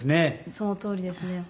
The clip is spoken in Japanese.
そのとおりですね。